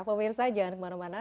pemirsa jangan kemana mana